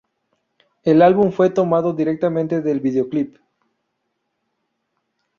El álbum fue tomado directamente del videoclip.